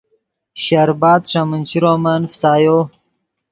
شربَت ݰے چرومن فسایو